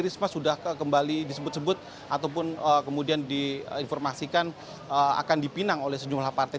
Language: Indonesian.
risma sudah kembali disebut sebut ataupun kemudian diinformasikan akan dipinang oleh sejumlah partai